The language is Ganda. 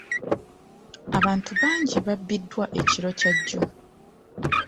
Abantu bagii babiddwa ekiro kya jjo.